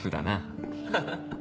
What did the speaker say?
ハハハ！